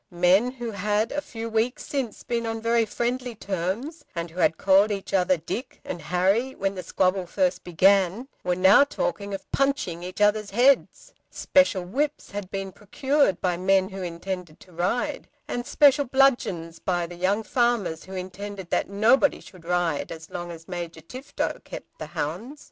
Men who had a few weeks since been on very friendly terms, and who had called each other Dick and Harry when the squabble first began, were now talking of "punching" each other's heads. Special whips had been procured by men who intended to ride, and special bludgeons by the young farmers who intended that nobody should ride as long as Major Tifto kept the hounds.